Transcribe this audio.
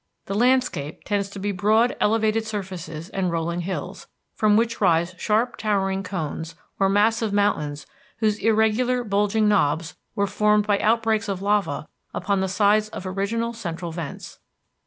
The landscape tends to broad elevated surfaces and rolling hills, from which rise sharp towering cones or massive mountains whose irregular bulging knobs were formed by outbreaks of lava upon the sides of original central vents.